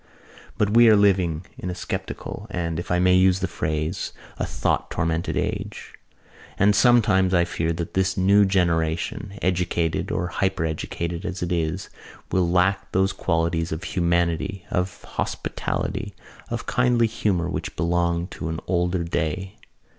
But we are living in a sceptical and, if I may use the phrase, a thought tormented age: and sometimes I fear that this new generation, educated or hypereducated as it is, will lack those qualities of humanity, of hospitality, of kindly humour which belonged to an older day.